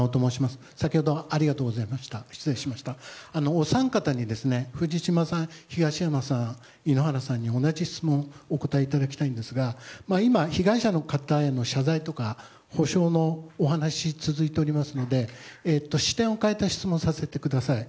お三方に藤島さん、東山さん井ノ原さんに同じ質問をお答えいただきたいんですが今、被害者の方への謝罪とか補償のお話が続いておりますので視点を変えた質問をさせてください。